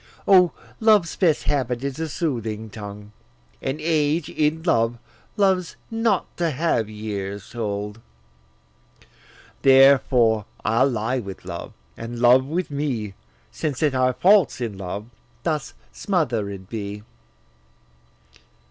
O, love's best habit is a soothing tongue, And age, in love, loves not to have years told. Therefore, I'll lie with love, and love with me, Since that our faults in love thus smother'd be.